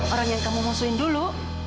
orang yang kamu musuhin dulu